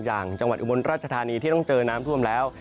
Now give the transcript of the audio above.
อย่างจังหวัดอุบลราชธานีที่ต้องเจอน้ำท่วมแล้ว